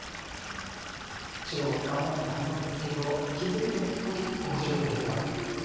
白頑張ってたはずなんですけど気付いてみると結構黒地の方がっていう。